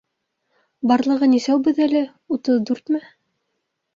Барлығы нисәүбеҙ әле, утыҙ дүртме?